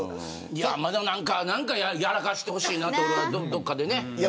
まだ何かやらかしてほしいなとどっかでね。